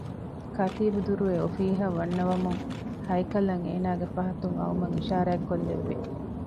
ކަތީބު ދުރުވެ އޮފީހަށް ވަންނަވަމުން ހައިކަލަށް އޭނާގެ ފަހަތުން އައުމަށް އިޝާރާތްކޮށްލެއްވި